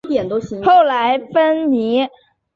后来芬尼一家又搬到安大略湖的沙吉港。